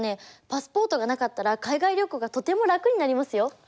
パスポートがなかったら海外旅行がとても楽になりますよ。